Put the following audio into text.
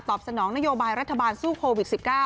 สนองนโยบายรัฐบาลสู้โควิด๑๙